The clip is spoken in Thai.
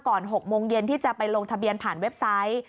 ๖โมงเย็นที่จะไปลงทะเบียนผ่านเว็บไซต์